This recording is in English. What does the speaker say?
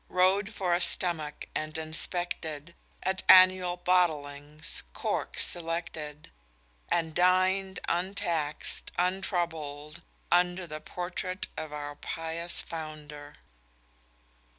Rode for a stomach, and inspected, At annual bottlings, corks selected: And dined untax'd, untroubled, under The portrait of our pious Founder!